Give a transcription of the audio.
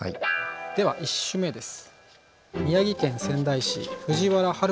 では１首目です。